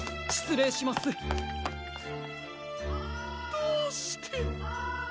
どうして。